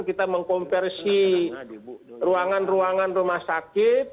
kita mengkonversi ruangan ruangan rumah sakit